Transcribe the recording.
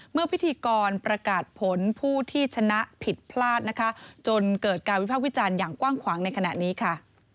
พิธีกรประกาศผลผู้ที่ชนะผิดพลาดนะคะจนเกิดการวิภาควิจารณ์อย่างกว้างขวางในขณะนี้ค่ะ